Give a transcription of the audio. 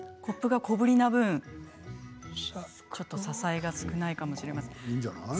コップが小ぶりな分ちょっと支えが少ないかもしれません。